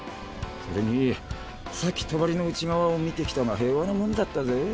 それにさっき帳の内側を見てきたが平和なもんだったぜ。